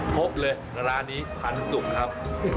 ครบเลยร้านนี้พันสุกครับ